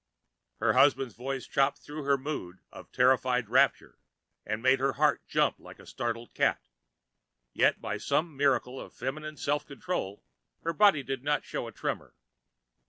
Her husband's voice, chopping through her mood of terrified rapture, made her heart jump like a startled cat, yet by some miracle of feminine self control her body did not show a tremor.